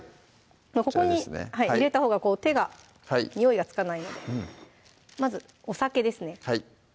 ここに入れたほうが手がにおいがつかないのでまずお酒ですね